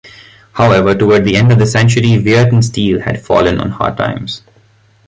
However, toward the end of the century Weirton Steel had fallen on hard times.